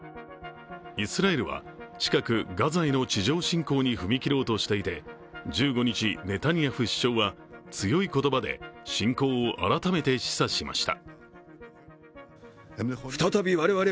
イスラエルは近くガザへの地上進攻に踏み切ろうとしていて１５日、ネタニヤフ首相は強い言葉で侵攻を改めて示唆しました。